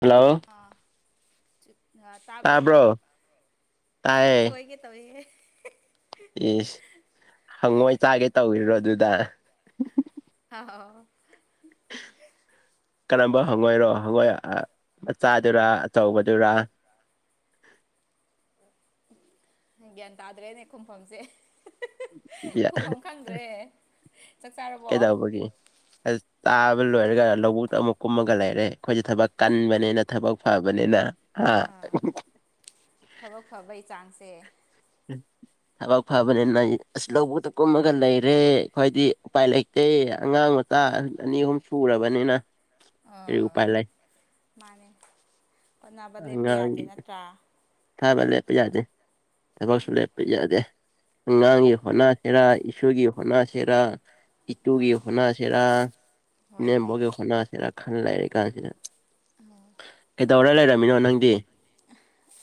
hello ꯑ ꯇꯥꯕ꯭ꯔꯣ ꯁꯣꯏꯒꯦ ꯇꯧꯏꯍꯦ ꯑꯦꯁ ꯍꯪꯉꯣꯏ ꯆꯥꯒꯦ ꯇꯧꯔꯣ ꯑꯗꯨꯗ ꯑ ꯀꯔꯝꯕ ꯍꯪꯉꯣꯏꯔꯣ ꯍꯪꯉꯣꯏ ꯃꯆꯥꯗꯨꯔꯥ ꯑꯆꯧꯕꯗꯨꯔ [inaudible] ꯒ꯭ꯌꯥꯟ ꯇꯥꯗ꯭ꯔꯦꯅꯦ ꯈꯨꯝꯐꯝꯁꯦ ꯌꯥ ꯈꯨꯝꯐꯝ ꯈꯪꯗ꯭ꯔꯦ ꯆꯥꯔꯕꯣ ꯀꯩꯗꯧꯕꯒꯤ ꯇꯥꯕ ꯂꯣꯏꯔꯒ ꯂꯧꯕꯨꯛꯇ ꯑꯃꯨꯛ ꯀꯨꯝꯃꯒ ꯂꯩꯔꯦ ꯑꯩꯈꯣꯏꯁꯦ ꯊꯕꯛ ꯀꯟꯕꯅꯤꯅ ꯊꯕꯛ ꯐꯕꯅꯤꯅ ꯍꯥ ꯑꯥ ꯊꯕꯛ ꯐꯕꯩ ꯆꯥꯡꯁꯦ ꯊꯕꯛ ꯐꯕꯅꯤꯅ ꯑꯁ ꯂꯧꯕꯨꯛꯇ ꯀꯨꯝꯃꯒ ꯂꯩꯔꯦ ꯈ꯭ꯋꯥꯏꯗꯤ ꯎꯄꯥꯏ ꯂꯩꯇꯦ ꯑꯩ ꯑꯉꯥꯡ ꯃꯆꯥ ꯑꯅꯤ ꯑꯍꯨꯝ ꯁꯨꯔꯕꯅꯤꯅ ꯀꯔꯤ ꯑꯥ ꯎꯄꯥꯏ ꯂꯩ ꯃꯥꯅꯦ ꯍꯣꯠꯅꯕ ꯂꯦꯞꯄ ꯌꯥꯗꯦ ꯑꯉꯥꯡꯒꯤ ꯅꯠꯇ꯭ꯔꯥ ꯊꯥꯕ ꯂꯦꯞꯄ ꯌꯥꯗꯦ ꯊꯕꯛꯁꯨ ꯂꯦꯞꯄ ꯌꯥꯗꯦ ꯑꯥ ꯑꯉꯥꯡꯒꯤ ꯍꯣꯅꯥ ꯁꯦꯔꯥ ꯏꯁꯒꯤ ꯍꯣꯅꯥ ꯁꯦꯔꯥ ꯑꯥ ꯏꯤꯇꯨꯒꯤ ꯍꯣꯅꯥꯁꯤꯔꯥ ꯍꯣꯏꯅꯦ ꯏꯅꯦꯝꯕꯒꯤ ꯍꯣꯅꯥꯁꯤꯔꯥ ꯈꯜ ꯂꯩꯥꯏꯔꯤ ꯀꯥꯟꯁꯤꯗ ꯇꯧꯔ ꯂꯩꯔꯝꯃꯤꯅꯣ ꯅꯪꯗꯤ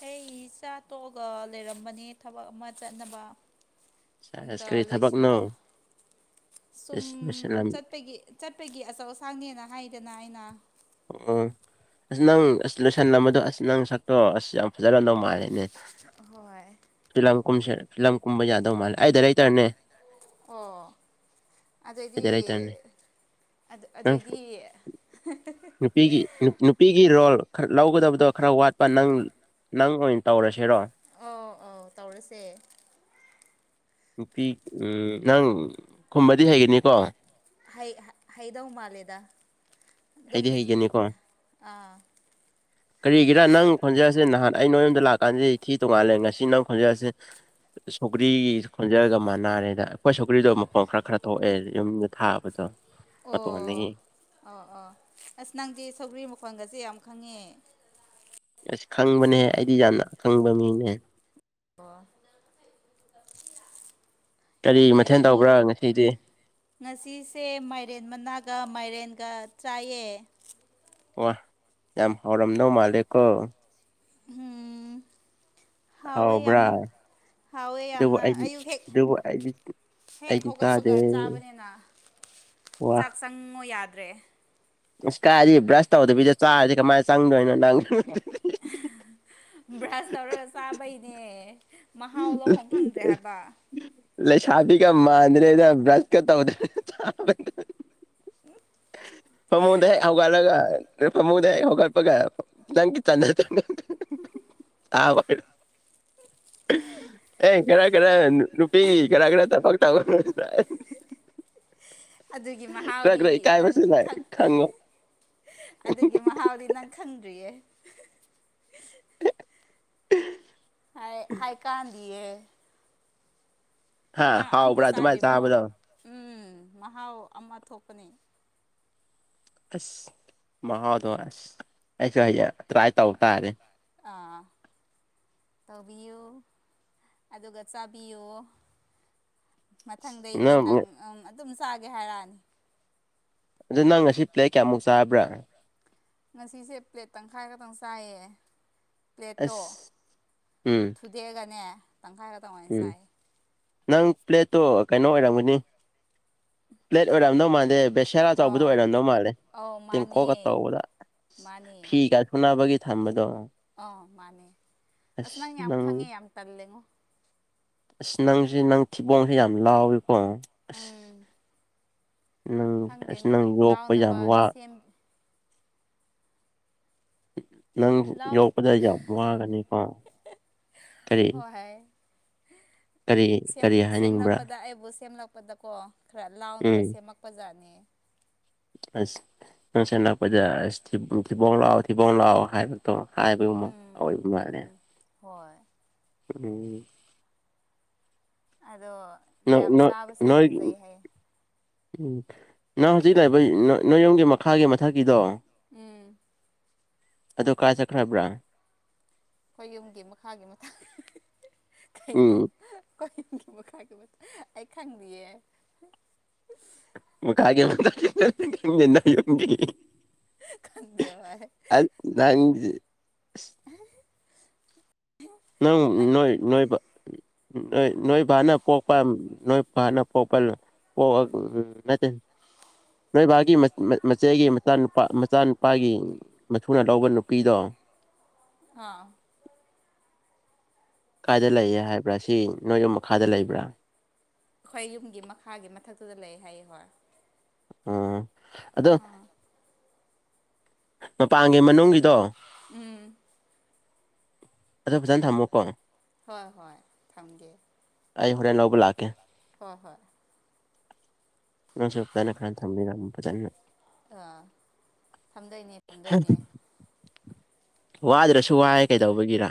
ꯑꯩ ꯆꯆꯥ ꯇꯣꯛꯑꯒ ꯂꯩꯔꯝꯕꯅꯦ ꯊꯕꯛ ꯑꯃ ꯆꯠꯅꯕ ꯑꯃꯨꯛꯀ ꯁꯥꯏꯟꯁ ꯀꯔꯤ ꯊꯕꯛꯅꯣ ꯂꯣꯏꯁꯤꯟꯕ ꯁꯨꯝ ꯑꯁ ꯂꯣꯏꯁꯤꯜꯂꯝ ꯆꯠꯄꯒꯤ ꯆꯠꯄꯒꯤ ꯑꯆꯧ ꯑꯁꯥꯡꯅꯦꯅ ꯍꯥꯏꯗꯅ ꯑꯩꯅ ꯑꯣ ꯎ ꯑꯁ ꯅꯪ ꯑꯁ ꯂꯣꯏꯁꯜꯂꯝꯕꯗꯣ ꯑꯁ ꯅꯪ ꯁꯛꯇꯣ ꯑꯁ ꯌꯥꯝ ꯐꯖꯅ ꯅꯣꯡꯉꯥꯏꯜꯔꯦꯅꯦ ꯍꯣꯏ ꯂꯝ ꯀꯨꯝꯕ ꯌꯥꯗꯧ ꯃꯥꯜꯂꯦ ꯑꯩꯗ ꯂꯩꯇꯔꯅꯦ ꯑꯣ ꯑꯩ ꯑꯗꯩꯗꯤ ꯗꯥꯏꯔꯦꯛꯇꯔꯅꯦ ꯑ ꯅꯪ ꯑꯗꯩꯗꯤ ꯅꯨꯄꯤꯒꯤ ꯅꯨꯄꯤꯒꯤ ꯔꯣꯜ ꯈꯔ ꯂꯧꯒꯗꯕꯗꯣ ꯈꯔ ꯋꯥꯠꯄ ꯅꯪ ꯅꯪ ꯑꯣꯏꯅ ꯇꯧꯔꯁꯤꯔꯣ ꯑ ꯑꯥꯎ ꯇꯧꯔꯁꯦ ꯅꯨꯄꯤ ꯎꯝ ꯅꯪ ꯈꯨꯝꯕꯗꯤ ꯍꯩꯒꯅꯤꯀꯣ ꯍꯩ ꯍꯩꯗꯧ ꯃꯥ ꯂꯩꯦꯗꯥ ꯑꯗꯨꯝ ꯍꯩꯗꯤ ꯍꯩꯒꯅꯤꯀꯣ ꯑ ꯀꯔꯤꯒꯤꯔ ꯅꯪ ꯈꯣꯟꯖꯔꯂꯁꯦ ꯅꯍꯥꯟ ꯑꯩ ꯅꯣꯏ ꯌꯨꯝꯗ ꯂꯥꯛꯀꯦ ꯀꯥꯟꯗꯩ ꯏꯊꯤ ꯇꯣꯡꯉꯥꯜꯂꯦ ꯉꯁꯤ ꯅꯪ ꯈꯣꯟꯖꯦꯜꯁꯦ ꯁꯧꯒ꯭ꯔꯤꯒꯤ ꯈꯣꯟꯖꯒ ꯃꯥꯟꯅꯔꯦꯗ ꯑꯩꯈꯣꯏ ꯁꯧꯀ꯭ꯔꯤꯗꯣ ꯃꯈꯣꯡ ꯈꯔ ꯈꯔ ꯊꯣꯛꯑꯦ ꯌꯨꯝꯗ ꯊꯥꯕꯗꯣ ꯑꯣ ꯃꯇꯣꯟꯗꯒꯤ ꯑꯣ ꯑꯣ ꯑꯁ ꯅꯪꯗꯤ ꯁꯧꯒ꯭ꯔꯤ ꯃꯈꯜꯒꯁꯦ ꯌꯥꯝ ꯈꯪꯉꯤꯦ ꯑꯁ ꯈꯪꯕꯅꯦꯍ ꯑꯩꯗꯤ ꯌꯥꯝꯅ ꯈꯪꯕ ꯃꯤꯅꯦ ꯑꯣ ꯀꯔꯤ ꯃꯊꯦꯜ ꯇꯧꯕ꯭ꯔꯥ ꯉꯁꯤꯗꯤ ꯉꯁꯤꯁꯦ ꯃꯥꯏꯔꯦꯟ ꯃꯅꯥꯒ ꯃꯥꯏꯔꯦꯟꯒ ꯆꯥꯏꯑ ꯋꯥ ꯌꯥꯝ ꯍꯥꯎꯔꯝꯅꯧ ꯃꯥꯜꯂꯦꯀꯣ ꯎꯝ ꯍꯥꯎꯋꯦ ꯍꯥꯎꯕ꯭ꯔꯥ ꯌꯥꯝꯅ ꯍꯥꯎꯋꯦ ꯑꯗꯨꯕꯨ ꯌꯥꯝꯅ ꯑꯩꯗꯤ ꯑꯌꯨꯛ ꯍꯦꯛ ꯑꯗꯨꯕꯨ ꯑꯩꯗꯤ ꯍꯦꯛ ꯑꯩꯗꯤ ꯆꯥꯗꯦ ꯍꯧꯒꯠꯄꯒ ꯆꯥꯕꯅꯤꯅ ꯆꯥꯛ ꯆꯪꯉꯣ ꯌꯥꯗ꯭ꯔꯦ ꯏꯁꯀꯥꯏꯗꯤ ꯕ꯭ꯔꯁ ꯇꯧꯗꯕꯤꯗ ꯆꯥꯔꯗꯤ ꯀꯃꯥꯏꯅ ꯆꯪꯗꯣꯏꯅꯣ ꯅꯪ ꯕ꯭ꯔꯁ ꯇꯧꯔꯒ ꯆꯥꯕꯩꯅꯦ ꯃꯍꯥꯎꯂꯣ ꯈꯣꯡ ꯈꯪꯗ꯭ꯔꯦ ꯍꯥꯏꯕ ꯂꯩꯁꯥꯄꯤ ꯀ ꯃꯥꯗ꯭ꯔꯦꯗ ꯭ꯔꯁ ꯀ ꯇ ꯍꯃꯗ ꯍꯧꯧꯒꯂꯒ ꯃꯨꯗ ꯀꯄ ꯀꯪ ꯆ ꯑꯦ ꯈꯔ ꯈꯔ ꯅꯨꯨꯄꯤ ꯈꯔ ꯈꯔ ꯊ ꯐꯛ ꯇꯕ ꯑꯗꯨꯒꯤ ꯃꯍꯥꯎꯗꯤ ꯅꯪ ꯂꯩ ꯈꯛ ꯈꯪꯉꯣ ꯑꯗꯨꯒꯤ ꯃꯍꯥꯎꯗꯤ ꯅꯪ ꯈꯪꯗ꯭ꯔꯤꯌꯦ ꯍꯥꯏꯥꯏꯀꯥꯟꯗꯤꯌꯦ ꯍꯥ ꯅꯪ ꯑꯝꯇ ꯍꯥꯎꯕ꯭ꯔꯥ ꯑꯗꯨꯃꯥꯏꯅ ꯆꯥꯗ꯭ꯔꯤꯕꯣ ꯆꯥꯕꯗꯣ ꯎꯝ ꯃꯍꯥꯎ ꯑꯃ ꯊꯣꯛꯄꯅꯤ ꯑꯁ ꯃꯍꯥꯎꯗꯣ ꯑꯁ ꯑꯩꯁꯨ ꯍꯌꯦꯡ ꯇ꯭ꯔꯥꯏ ꯇꯧꯕ ꯇꯥꯔꯦ ꯑꯥ ꯇꯧꯕꯤꯌꯨ ꯑꯗꯨꯒ ꯆꯥꯕꯤꯌꯨ ꯃꯊꯪꯗꯩꯗꯤ ꯅꯪ ꯑꯗꯨꯝ ꯆꯥꯒꯦ ꯍꯥꯏꯔꯛꯑꯅꯤ ꯑꯗꯨꯗ ꯅꯪ ꯉꯁꯤ ꯄ꯭ꯂꯦ ꯀꯌꯥꯃꯨꯛ ꯆꯥꯕ꯭ꯔꯥ ꯉꯁꯤꯁꯦ ꯄ꯭ꯂꯦꯠ ꯇꯪꯈꯥꯏ ꯈꯛꯇꯪ ꯆꯥꯏꯌꯦ ꯄ꯭ꯂꯦꯠꯇꯣ ꯑꯁ ꯎꯝ ꯊꯨꯗꯦꯛꯑꯒꯅꯦ ꯇꯪꯈꯥꯏ ꯈꯛꯇꯪ ꯑꯣꯏꯅ ꯎꯝ ꯆꯥꯏ ꯅꯪ ꯄ꯭ꯂꯦꯠꯇꯣ ꯀꯩꯅꯣ ꯑꯣꯏꯔꯝꯒꯅꯤ ꯄ꯭ꯂꯦꯠ ꯑꯣꯏꯔꯝꯗꯧ ꯃꯥꯟꯗꯦ ꯕꯦꯁꯦꯔꯥ ꯑꯆꯧꯕꯗ ꯑꯣ ꯑꯣꯏꯔꯝꯗꯧ ꯃꯥꯜꯂꯦ ꯑꯧ ꯃꯥꯅꯦ ꯇꯦꯡꯀꯣꯛꯀ ꯇꯧꯕꯗ ꯐꯤꯒ ꯁꯨꯅꯕꯒꯤ ꯊꯝꯕꯗꯣ ꯑ ꯃꯥꯅꯦ ꯑꯁ ꯅꯪ ꯌꯥꯝ ꯈꯪꯉꯦ ꯌꯥꯝ ꯇꯜꯂꯦꯉꯣ ꯑꯁ ꯅꯪꯁꯨ ꯅꯪ ꯊꯤꯕꯣꯡꯁꯦ ꯌꯥꯝ ꯂꯥꯎꯋꯤꯀꯣ ꯑꯁ ꯎꯝ ꯅꯪ ꯑꯁ ꯈꯪꯗꯦꯅꯦ ꯅꯪ ꯌꯣꯛꯄ ꯌꯥꯝ ꯂꯥꯎꯅꯕ ꯋꯥ ꯁꯦꯝ ꯅꯪ ꯂꯥꯎ ꯌꯣꯛꯄꯗ ꯌꯥꯝ ꯋꯥꯒꯅꯤꯀꯣ ꯀꯔꯤ ꯍꯣꯏ ꯍꯣꯏ [unintelligible] ꯀꯔꯤ ꯍꯥꯏꯅꯤꯡꯕ꯭ꯔꯥ ꯁꯦꯝꯂꯛꯄꯗ ꯑꯩꯕꯨ ꯁꯦꯝꯂꯛꯄꯗꯀꯣ ꯈꯔ ꯂꯥꯎꯅꯕ ꯎꯝ ꯁꯦꯝꯃꯛꯄꯖꯥꯠꯅꯤ ꯑꯁ ꯅꯨꯡꯁ ꯅꯛꯄꯗ ꯑꯁ ꯊꯤꯕꯣꯡ ꯂꯥꯛꯑꯣ ꯊꯤꯕꯣꯡ ꯂꯥꯛꯑꯣ ꯍꯥꯏꯕꯗꯣ ꯍꯥꯏꯕꯒꯨꯝꯃ ꯎꯝ ꯑꯣꯏꯕ ꯃꯥꯂꯦ ꯎꯝ ꯍꯣꯏ ꯎꯝ ꯑꯗꯣ ꯅꯣꯏ ꯌꯥꯝ ꯅꯣꯏ ꯆꯥꯕꯁꯦ ꯅꯣꯏ ꯐꯖꯩ ꯍꯥꯏꯌꯦ ꯎꯝ ꯅꯪ ꯍꯧꯖꯤꯛ ꯂꯥꯛꯏꯕ ꯅꯣꯏꯌꯣꯒꯤ ꯃꯈꯥꯒꯤ ꯃꯊꯛꯀꯤꯗꯣ ꯎꯝ ꯑꯗꯨ ꯀꯥ ꯆꯠꯈ꯭ꯔꯕ꯭ꯔꯥ ꯑꯩꯈꯣꯏ ꯌꯨꯝꯒꯤ ꯃꯈꯥꯒꯤ ꯃꯊꯥꯜ ꯀꯩꯅꯣ ꯎꯝ ꯑꯩ ꯃꯈꯥꯒꯤ ꯃꯊꯥꯛ ꯑꯩ ꯈꯪꯗꯤꯌꯦ ꯃꯈꯥꯒꯤ ꯃꯊꯥꯛꯀꯥ ꯈꯪꯗꯦ ꯅꯣꯏ ꯌꯨꯝꯒꯤ ꯈꯪꯗꯦ ꯍꯣꯏ ꯑ ꯅꯪ ꯅꯪ ꯅꯣꯏ ꯅꯣꯏꯕ ꯅꯣꯏ ꯅꯣꯏ ꯕꯥꯅ ꯄꯣꯛꯄ ꯅꯣꯏ ꯄꯥꯅ ꯄꯣꯛꯄ ꯄ ꯑꯎ ꯃꯠꯇꯦ ꯅꯣꯏꯕꯥꯒꯤ ꯃꯆꯦꯒꯤ ꯃꯆꯥꯅꯨꯄꯥꯒꯤ ꯃꯊꯨꯅ ꯂꯧꯕ ꯅꯨꯄꯤꯗꯣ ꯑꯥ ꯀꯥꯏꯗ ꯂꯩꯌꯦ ꯍꯥꯏꯕ꯭ꯔꯥ ꯁꯤ ꯅꯣꯏꯌꯨꯝ ꯃꯈꯥꯗ ꯂꯩꯕ꯭ꯔꯥ ꯑꯩꯈꯣꯏ ꯌꯨꯝꯒꯤ ꯃꯈꯥꯒꯤ ꯃꯊꯛꯇꯨꯗ ꯂꯩ ꯍꯥꯏꯌꯦꯕ ꯑꯣ ꯑꯗꯣ ꯃꯄꯥꯟꯒꯤ ꯃꯅꯨꯡꯒꯤꯗꯣ ꯎꯝ ꯑꯗꯣ ꯐꯖꯅ ꯊꯝꯃꯣꯀꯣ ꯍꯣꯏ ꯍꯣꯏ ꯊꯝꯒꯦ ꯑꯩ ꯍꯣꯔꯦꯟ ꯂꯥꯎꯕ ꯂꯥꯛꯀꯦ ꯍꯣꯏ ꯍꯣꯏ ꯅꯁꯨꯛꯇꯅ ꯈꯥꯟ ꯊꯝꯃꯤ ꯐꯖꯟꯅ ꯑꯥ ꯊꯝꯗꯣꯏꯅꯦ ꯊꯝꯗꯣꯏꯅꯦ ꯋꯥꯗ꯭ꯔꯁꯨ ꯋꯥꯑꯦ ꯀꯩꯗꯧꯕꯒꯤꯔ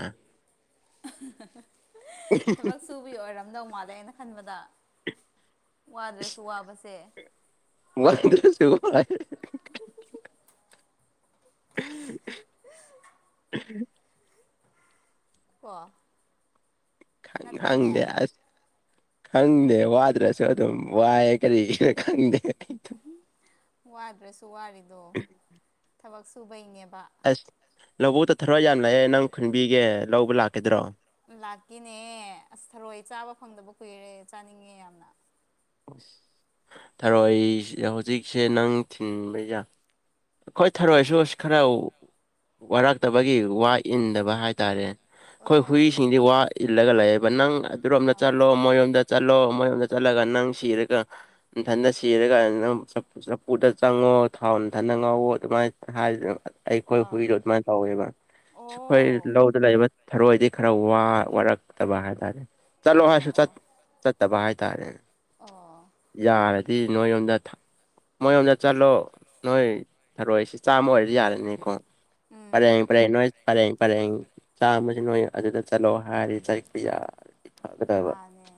ꯊꯕꯛ ꯁꯨꯕꯤ ꯑꯣꯏꯔꯝꯗꯧ ꯃꯥꯟꯂꯦ ꯑꯩꯅ ꯈꯟꯕꯗ ꯋꯥꯗ꯭ꯔꯁꯨ ꯋꯥꯕꯁꯦ ꯋꯥꯗꯔꯁꯨ ꯋꯥꯏ [inaudible] ꯀꯣ ꯈꯪ ꯅꯠꯇ꯭ꯔꯅꯦ ꯈꯪꯗꯁ ꯈꯪꯗꯦ ꯋꯥꯗ꯭ꯔꯁꯨ ꯑꯗꯨꯝ ꯋꯥꯏ ꯀꯔꯤꯒꯤꯔ ꯈꯪꯗꯦ ꯋꯥꯗ꯭ꯔꯁꯨ ꯋꯥꯔꯤꯗꯣ ꯊꯕꯛ ꯁꯨꯕꯩꯅꯦꯕ ꯑꯁ ꯂꯧꯕꯨꯛꯇ ꯊꯔꯛ ꯌꯥꯝ ꯂꯩꯌꯦ ꯅꯪ ꯈꯨꯟꯕꯤꯒꯦ ꯂꯧꯕ ꯂꯥꯛꯀꯗ꯭ꯔꯣ ꯂꯥꯛꯀꯦꯅꯦ ꯑꯁ ꯊꯔꯣꯏ ꯆꯥꯕ ꯐꯪꯗꯕ ꯀꯨꯏꯔꯦ ꯆꯥꯅꯤꯡꯉꯦ ꯌꯥꯝꯅ ꯊꯔꯣꯏ ꯍꯧꯖꯤꯛꯁꯦ ꯅꯪ ꯊꯤꯟꯕꯌ ꯑꯩꯈꯣꯏ ꯊꯔꯣꯏꯁꯨ ꯈꯔ ꯋꯥꯔꯛꯇꯕꯒꯤ ꯋꯥ ꯏꯟꯗꯕ ꯍꯥꯏꯇꯥꯔꯦ ꯑꯩꯈꯣꯏ ꯑꯣ ꯍꯨꯏꯁꯤꯡꯗꯤ ꯋꯥ ꯏꯜꯂꯒ ꯂꯩꯌꯦꯕ ꯅꯪ ꯑꯗꯨꯔꯣꯝꯗ ꯆꯠꯂꯣ ꯃꯣꯏꯔꯣꯝꯗ ꯆꯠꯂꯣ ꯃꯌꯣꯝꯗ ꯆꯠꯂꯒ ꯅꯪ ꯁꯤꯔꯒ ꯏꯊꯟꯗ ꯁꯤꯔꯒ ꯅꯪ ꯆꯐꯨꯗ ꯆꯪꯉꯣ ꯊꯥꯎ ꯊꯟꯅ ꯉꯥꯎꯑꯣ ꯑꯗꯨꯃꯥꯏꯅ ꯍꯥꯏꯗꯅ ꯑꯩꯈꯣꯏ ꯑꯥ ꯑꯥ ꯍꯨꯏꯗꯣ ꯑꯗꯨꯃꯥꯏꯅ ꯇꯧꯋꯦꯕ ꯑꯣ ꯑꯩꯈꯣꯏ ꯂꯧꯗ ꯂꯩꯕ ꯊꯔꯣꯏꯗꯤ ꯈꯔ ꯋꯥꯔꯛꯇꯕ ꯍꯥꯏꯇꯥꯔꯦ ꯆꯠꯂꯣ ꯑꯣ ꯍꯥꯏꯁꯨ ꯑꯣ ꯆꯠꯇꯕ ꯍꯥꯏꯇꯥꯔꯦ ꯑꯣ ꯌꯥꯔ ꯍꯥꯏꯗꯤ ꯅꯣꯏ ꯌꯣꯝꯗ ꯃꯣꯏ ꯌꯣꯝꯗ ꯆꯠꯂꯣ ꯅꯣꯏ ꯊꯔꯣꯏꯁꯤ ꯆꯥꯝꯃ ꯑꯣꯏꯔꯗꯤ ꯌꯥꯔꯅꯤꯀꯣ ꯎꯝ ꯐꯔꯦ ꯐꯔꯦ ꯐꯔꯦ ꯐꯔꯦ ꯆ ꯁꯤ ꯅꯣꯏ ꯑꯗꯨꯗ ꯆꯠꯂꯣ ꯍꯥꯏꯔꯤ ꯆ ꯀꯌꯥ ꯃꯥꯅꯦ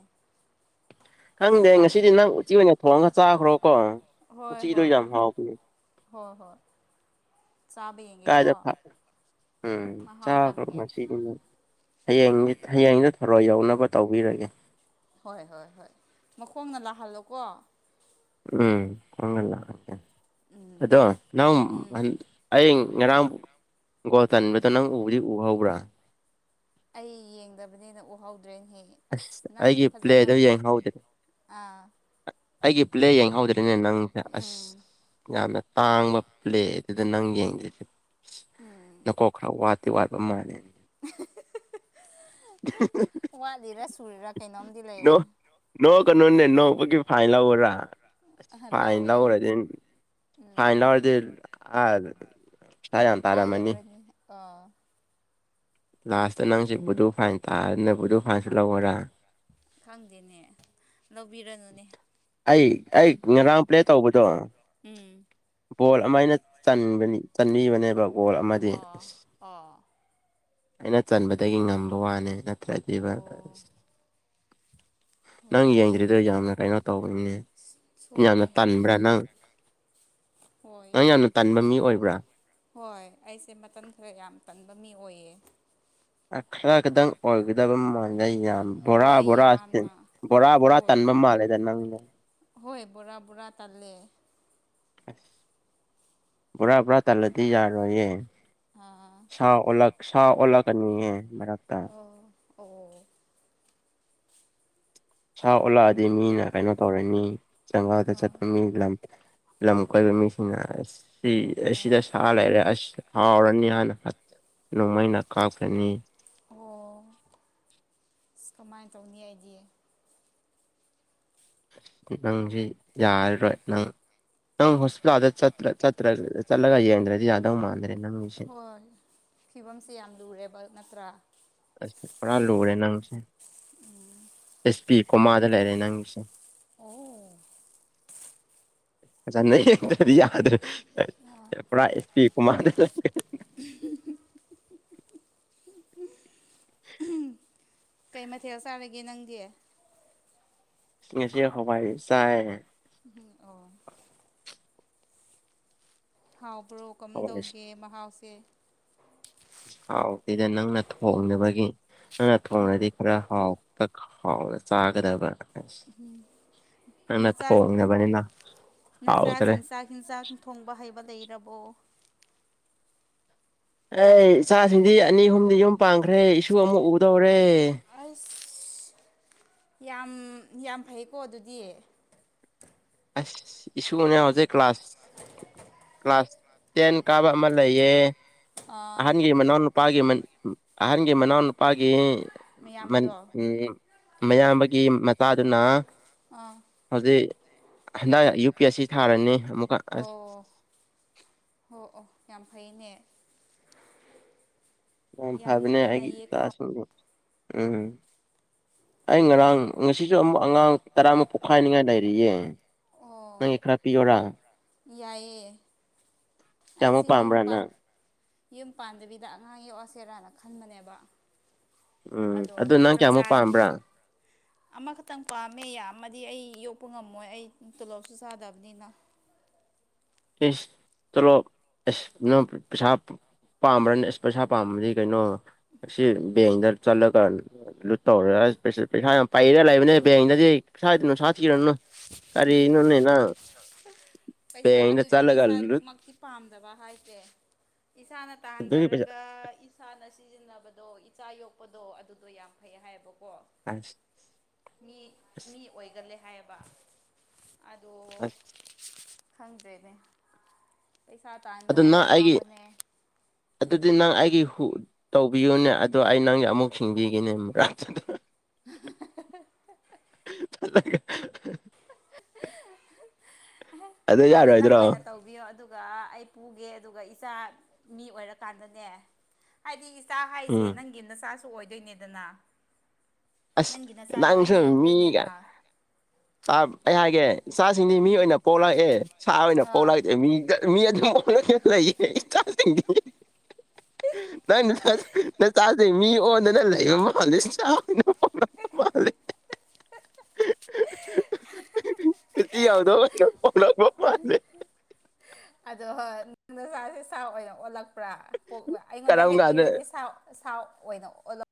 ꯈꯪꯗꯦ ꯌꯥꯝ ꯉꯁꯤꯗꯤ ꯅꯪ ꯎꯆꯤ ꯑꯣꯏꯅ ꯊꯣꯡꯉꯒ ꯆꯥꯈ꯭ꯔꯣꯀꯣ ꯍꯣꯏ ꯎꯆꯤꯗꯣ ꯍꯣꯏ ꯌꯥꯝ ꯍꯥꯎꯈꯤꯦ ꯍꯣꯏ ꯍꯣꯏ ꯆꯥꯕ ꯌꯦꯡꯒꯦ ꯀꯣ ꯀꯥꯏꯗ ꯐ ꯎꯝ ꯆꯥꯈ꯭ꯔꯣ ꯉꯁꯤ ꯍꯌꯦꯡ ꯍꯌꯦꯡꯗ ꯊꯛ ꯔꯣ ꯌꯧꯅꯕ ꯇꯧꯕꯤꯔꯒꯦ ꯍꯣꯏ ꯍꯣꯏ ꯍꯣꯏ ꯃꯈꯣꯡꯅ ꯂꯥꯛꯍꯜꯂꯣꯀꯣ ꯎꯝ ꯍꯉꯂ ꯎꯝ ꯑꯗꯣ ꯅ ꯎꯝ ꯉꯔꯥꯡꯒꯣ ꯇꯟꯕꯗ ꯅꯪ ꯎꯕꯨꯗꯤ ꯎꯍꯧꯕ꯭ꯔꯥ ꯑꯩ ꯌꯦꯡꯗꯕꯅꯦꯅ ꯎꯍꯧꯗ꯭ꯔꯦꯅꯍꯦ ꯑꯁ ꯅꯪ ꯑꯩꯒꯤ ꯐꯖꯅ ꯄ꯭ꯂꯦꯗꯣ ꯌꯦꯡꯍꯧꯗ꯭ꯔꯦ ꯑꯥ ꯑꯩꯒꯤ ꯄꯨꯂꯦ ꯌꯦꯡꯍꯧꯗ꯭ꯔꯔꯤꯅꯦ ꯅꯪꯁꯦ ꯑꯁ ꯎꯝ ꯌꯥꯝꯅ ꯇꯥꯡꯕ ꯄ꯭ꯂꯦ ꯑꯗꯨꯗ ꯅꯪ ꯌꯦꯡꯗ꯭ꯔꯤꯁꯦ ꯎꯝ ꯅꯀꯣ ꯈꯔꯠ ꯇꯤ ꯋꯥꯠꯄ ꯃꯥꯜꯂꯦ ꯋꯥꯠꯂꯤꯔꯥ ꯁꯨꯔꯤꯔꯥ ꯀꯩꯅꯣꯝꯗꯤ ꯂꯩꯔꯦ ꯅꯧꯕꯒꯤ ꯐꯥꯏꯂ ꯑꯣꯔꯥ ꯐꯥꯏꯟꯂ ꯂꯧꯋꯦ ꯑꯣꯏꯔꯗꯤ ꯎꯝ ꯐꯥꯏꯟꯂ ꯑꯣꯏꯔꯗ ꯑ ꯏ ꯍꯥꯏ ꯇ ꯑꯔꯃꯅꯤ ꯀꯥ ꯂꯥꯁꯇ ꯅꯪꯁꯦ ꯕꯨꯗꯨ ꯐꯥꯏꯟ ꯇꯥꯗꯅ ꯕꯨꯗꯨ ꯐꯥꯏꯟꯁꯨ ꯂꯧꯈꯔꯥ ꯈꯪꯗꯦꯅꯦ ꯂꯧꯕꯤꯔꯅꯨꯅꯦ ꯑꯩ ꯑꯩ ꯉꯥꯡ ꯄ꯭ꯂꯦ ꯇꯧꯕꯗꯣ ꯎꯝ ꯕꯣꯜ ꯑꯃ ꯑꯩꯅ ꯆꯟꯕꯤꯕꯅꯦꯕ ꯕꯣꯜ ꯑꯃꯗꯤ ꯑ ꯑꯣ ꯑꯣ ꯑꯣ ꯑꯩꯅ ꯆꯟꯕꯗꯒꯤ ꯉꯝꯕ ꯋꯥꯅꯦ ꯅꯠꯇ꯭ꯔꯒꯤꯕ ꯅꯪ ꯍꯣꯏ ꯌꯦꯡꯗꯔꯤꯗ ꯌꯥꯝꯅꯔꯥꯏ ꯇꯧꯤꯅꯦ ꯌꯥꯝꯅ ꯁꯣꯏꯔꯦ ꯇꯟꯕ꯭ꯔꯥ ꯅꯪ ꯍꯣꯏ ꯅꯪ ꯌꯥꯝꯅ ꯇꯟꯕ ꯃꯤ ꯑꯣꯏꯕ꯭ꯔꯥ ꯍꯣꯏ ꯑꯩꯁꯦ ꯃꯇꯝ ꯈꯔ ꯌꯥꯝ ꯇꯟꯕ ꯃꯤ ꯑꯣꯏꯌꯦ ꯑꯗꯪ ꯑꯣꯏꯒꯗꯕꯝ ꯃꯥ ꯩ ꯌꯥꯝ ꯕꯣꯔꯥ ꯍꯣꯏ ꯕꯣꯔꯥ ꯌꯥꯝꯅ ꯕꯣꯔꯥ ꯕꯣꯔꯥ ꯍꯣꯏ ꯇꯟꯕ ꯃꯥꯜꯂꯦꯗ ꯅꯪ ꯍꯣꯏ ꯕꯣꯔꯥ ꯕꯣꯔꯥ ꯇꯥꯂꯦ ꯄꯨꯔꯥ ꯄꯨꯔꯥ ꯇꯂꯗꯤ ꯌꯥꯔꯣꯏꯌꯦ ꯑꯥ ꯁꯥ ꯑꯣ ꯁꯥ ꯑꯣꯜꯂꯛꯀꯅꯤꯍꯦ ꯃꯔꯛꯇ ꯑꯣ ꯑꯣ ꯁꯥ ꯎꯜꯂꯛꯑꯗꯤ ꯃꯤꯅ ꯀꯩꯅꯣ ꯇꯧꯔꯅꯤ ꯖꯪꯒꯥꯜꯗ ꯑꯥ ꯆꯠꯄ ꯃꯤ ꯂꯝ ꯂꯝ ꯀꯣꯏꯕ ꯃꯤꯁꯤꯡꯅ ꯑꯥ ꯑꯁꯤꯗ ꯁꯥ ꯂꯩꯔꯦ ꯑꯁ ꯍꯥꯎꯔꯅꯤ ꯍꯥꯟꯅ ꯅꯣꯡꯃꯩꯅ ꯀꯥꯞꯀꯅꯤ ꯑꯣ ꯀꯃꯥꯏꯅ ꯇꯧꯅꯤ ꯍꯥꯏꯗꯤ ꯅꯪꯁꯤ ꯌꯥꯔꯔꯣꯏ ꯅꯪ ꯅꯪ ꯍꯣꯁꯄꯤꯇꯥꯜꯗ ꯆ ꯆꯠꯇ꯭ꯔ ꯆꯠꯂꯒ ꯌꯦꯡꯗ꯭ꯔꯗꯤ ꯌꯥꯗꯧ ꯃꯥꯟꯗ꯭ꯔꯦ ꯅꯪꯒꯤꯁꯦ ꯍꯣꯏ ꯐꯤꯕꯝꯁꯦ ꯌꯥꯝ ꯂꯨꯔꯦꯕ ꯅꯠꯇ꯭ꯔꯥ ꯑꯦꯁ ꯄꯤ ꯄꯨꯔꯥ ꯂꯨꯔꯦ ꯅꯪꯁꯦ ꯑꯦꯁ ꯄꯤ ꯀꯣꯃꯥꯗ ꯂꯩꯔꯦ ꯅꯪꯁꯦ ꯑꯣ ꯌꯥꯗꯄꯤ ꯀꯨꯃꯥꯏꯗ [unintelligible] ꯀꯩ ꯃꯊꯦꯜ ꯆꯥꯔꯒꯦ ꯅꯪꯗꯤ ꯁꯤ ꯉꯁꯤꯦ ꯈꯣꯄꯥꯏ ꯆꯥꯏ ꯝ ꯑꯣ ꯍꯥꯎꯕ꯭ꯔꯣ ꯀꯔꯝ ꯍꯋꯥꯏ ꯇꯧꯒꯦ ꯃꯍꯥꯎꯁꯦ ꯍꯥꯎꯁꯤꯗ ꯅꯪꯅ ꯊꯣꯡꯅꯕꯒꯤ ꯅꯪꯅ ꯊꯣꯡꯅꯗꯤ ꯈꯔ ꯍꯥꯎ ꯍꯥꯎ ꯆꯥꯒꯗꯕ ꯑꯁ ꯅꯪꯅ ꯅꯆꯥ ꯊꯣꯡꯅꯕꯅꯤꯅ ꯅꯆꯥꯁꯤꯡ ꯆꯥꯛ ꯏꯤꯟꯖꯥꯛ ꯊꯣꯡꯕ ꯍꯩꯕ ꯂꯩꯔꯕꯣ ꯑꯩ ꯏꯆꯥꯁꯤꯡꯗꯤ ꯑꯅꯤ ꯑꯍꯨꯝꯗꯤ ꯌꯨꯝ ꯄꯥꯟꯈ꯭ꯔꯦ ꯏꯁꯨ ꯑꯃ ꯎꯗꯧꯔꯦ ꯑꯁ ꯌꯥꯝ ꯌꯥꯝ ꯐꯩꯀꯣ ꯑꯗꯨꯗꯤ ꯑꯁ ꯏꯁꯨꯅꯦ ꯍꯧꯖꯤꯛ ꯀ꯭ꯂꯥꯁ ꯀ꯭ꯂꯥꯁ ꯇꯦꯟ ꯀꯥꯕ ꯑꯃ ꯂꯩꯌꯦ ꯑꯥ ꯍꯪꯒꯦ ꯏꯃꯅꯤ ꯅꯅ ꯄꯒꯦ ꯏꯃꯅꯤ ꯑꯍꯟꯒꯤ ꯃꯅꯥꯎꯅꯨꯄꯥꯒꯤ ꯃꯌꯥꯝꯕꯗꯣ ꯃꯌꯥꯝꯕꯒꯤ ꯃꯆꯥꯗꯨꯅ ꯑꯥ ꯍꯧꯖꯤꯛ ꯍꯟꯗꯛ ꯌꯨ ꯄꯤ ꯑꯦꯁ ꯁꯤ ꯊꯥꯔꯅꯤ ꯑꯃꯨꯛꯀ ꯑꯁ ꯑꯣ ꯍꯣ ꯑꯣ ꯌꯥꯝ ꯐꯩꯅꯦ ꯌꯥꯝꯝ ꯌꯥꯝ ꯐꯕꯅꯦ ꯍꯥꯏ ꯅꯩꯌꯦꯀꯣ ꯀ꯭ꯂꯁ ꯎꯝ ꯑꯩ ꯉꯔꯥꯡ ꯉꯁꯤꯁꯨ ꯑꯃꯨꯛ ꯑꯉꯥꯡ ꯇꯔꯥꯃꯨꯛ ꯄꯣꯛꯈꯥꯏꯅꯤꯉꯥꯏ ꯂꯩꯔꯤꯌꯦ ꯅꯪꯒꯤ ꯑꯣ ꯈꯔ ꯄꯤꯌꯔꯥ ꯌꯥꯏꯌꯦ ꯀꯌꯥꯃꯨꯛ ꯑꯩꯁꯤ ꯌꯨꯝ ꯄꯥꯝꯕ꯭ꯔꯥ ꯅꯪ ꯌꯨꯝ ꯄꯥꯟꯗꯕꯤꯗ ꯑꯉꯥꯡ ꯌꯣꯛꯑꯁꯤ ꯆꯦꯔꯥꯅ ꯈꯟꯕꯅꯦꯕ ꯎꯝ ꯑꯗꯣ ꯑꯗꯨ ꯅꯪ ꯆꯞ ꯀꯌꯥꯃꯨꯛ ꯆꯥꯔꯅꯤ ꯄꯥꯝꯕ꯭ꯔꯥ ꯑꯃꯈꯛꯇꯪ ꯄꯥꯝꯃꯦ ꯌꯥꯃꯗꯤ ꯑꯩ ꯌꯣꯛ ꯀꯄ ꯉꯝꯃꯣꯏ ꯑꯩ ꯇꯣꯂꯣꯞꯁꯨ ꯆꯥꯗꯕꯅꯤꯅ ꯁ ꯇꯂꯣ ꯑꯁ ꯄ꯭ꯔꯁ ꯄꯥꯝꯕ꯭ꯔꯅꯤ ꯑꯁ ꯄꯩꯁꯥ ꯄꯥꯝꯕꯗꯤ ꯀꯩꯅꯣ ꯑꯁꯤ ꯕꯦꯡꯗ ꯆꯠꯂꯒ ꯂꯨꯠ ꯇꯧꯔꯦ ꯩꯁꯥ ꯄꯥꯏꯔ ꯂꯩꯕꯅꯦꯦꯡꯅꯗꯤ ꯁꯥ ꯀꯔꯤ ꯏꯅꯣꯟꯅꯦꯅ ꯄꯩꯁꯥ ꯑꯗꯨꯗꯤ ꯂꯨꯠ ꯄꯩꯁꯥꯗꯨꯃꯛꯇꯤ ꯄꯥꯝꯗꯕ ꯍꯥꯏꯁꯦ ꯏꯁꯥꯅ ꯑꯗꯨꯒꯤ ꯄꯩꯁꯥ ꯇꯥꯟꯖꯔꯒ ꯏꯁꯥꯅ ꯁꯤꯖꯤꯟꯅꯕꯗꯣ ꯏꯆꯥ ꯌꯣꯛꯄꯗꯣ ꯑꯗꯨꯗꯣ ꯌꯥꯝ ꯐꯩ ꯍꯥꯏꯌꯦꯕꯀꯣ ꯀꯣ ꯑꯁ ꯃꯤ ꯑꯁ ꯃꯤ ꯑꯣꯏꯒꯜꯂꯦ ꯍꯥꯏꯌꯦꯕ ꯑꯗꯨ ꯑ ꯈꯪꯗ꯭ꯔꯦꯅꯦ ꯄꯩꯁꯥ ꯑꯗꯨ ꯇꯥꯟꯕꯅꯒ ꯅꯪ ꯑꯩꯒꯤ ꯋꯥꯕꯅꯦ ꯑꯗꯨꯗꯤ ꯅꯪ ꯑꯩꯒꯤ ꯇꯧꯕꯤꯌꯨꯅꯦ ꯑꯗꯣ ꯑꯩ ꯅꯪꯒꯤ ꯑꯃꯨꯛ ꯁꯤꯡꯕꯤꯈꯤꯅꯦ ꯒ ꯑꯗꯨ ꯑꯗꯣ ꯅꯪ ꯌꯥꯔꯣꯏꯗ꯭ꯔꯣ ꯑꯣꯏꯅ ꯇꯧꯕꯤꯌꯣ ꯑꯗꯨ ꯑꯗꯨꯒ ꯑꯩ ꯄꯨꯒꯦ ꯑꯗꯨꯒ ꯏꯆꯥ ꯃꯤ ꯑꯣꯏꯔꯀꯥꯟꯗꯅꯦ ꯍꯥꯏꯗꯤ ꯏꯆꯥ ꯍꯥꯏꯁꯦ ꯎꯝ ꯅꯪꯒꯤ ꯅꯆꯥꯁꯨ ꯑꯣꯏꯗꯣꯏꯅꯦꯗꯅ ꯑꯁ ꯅꯪꯒꯤ ꯅꯆꯥꯗꯣ ꯅꯪꯁꯨ ꯑꯩꯅ ꯌꯣꯛꯇꯣꯏꯅꯦ ꯃꯤꯒ ꯏꯃ ꯑꯩ ꯍꯥꯏꯒꯦ ꯏꯆꯥꯁꯤꯡꯗꯤ ꯃꯤ ꯑꯣꯏꯅ ꯄꯣꯛꯂꯛꯑꯦ ꯁꯥ ꯑꯣꯏꯅ ꯑꯥ ꯄꯣꯛꯂꯛꯛꯇꯦ ꯃꯤ ꯑꯗꯨ ꯂꯩ ꯀꯁꯤꯡꯤꯡꯗꯤ ꯅꯪ ꯅꯪ ꯆꯥꯖꯩ ꯃꯤ ꯑꯣꯟꯗꯅ ꯂꯩꯕ ꯃꯥꯜꯂꯦ ꯆꯥꯎꯥꯅꯣ ꯃꯥꯜꯂꯤ ꯠꯇꯤ ꯌꯥꯎꯗꯄ ꯄꯦ ꯑꯗꯣ ꯍꯣꯏ ꯅꯪꯗ ꯆꯥꯁꯦ ꯁꯥꯎ ꯑꯣꯏꯅ ꯑꯣꯜꯂꯛꯄ꯭ꯔꯥ ꯑꯩꯉꯣꯟꯗ ꯀꯔꯝ ꯍꯦꯛ ꯀꯥꯟꯗ ꯄꯤꯔꯗꯤꯥꯎ ꯊꯥꯎ ꯑꯣꯏꯅ